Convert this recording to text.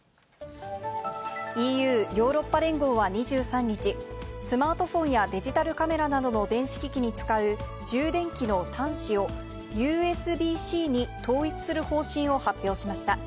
ＥＵ・ヨーロッパ連合は２３日、スマートフォンやデジタルカメラなどの電子機器に使う充電器の端子を、ＵＳＢーＣに統一する方針を発表しました。